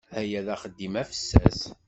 Aya d axeddim afessas.